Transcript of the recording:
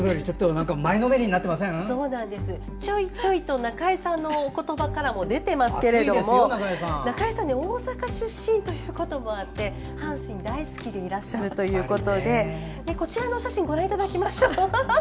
いつもより前のめりにちょいちょいと中江さんのお言葉からも出ていますが中江さん大阪出身ということもあって阪神大好きでいらっしゃるということでこちらのお写真をご覧いただきます。